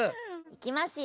いきますよ。